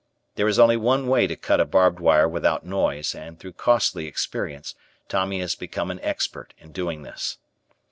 There is only one way to cut a barbed wire without noise and through costly experience Tommy has become an expert in doing this.